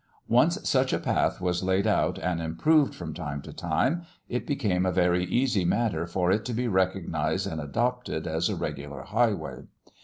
Once such a path was laid out and improved from time to time, it became a very easy matter for it to be recognized and adopted as a regular highway.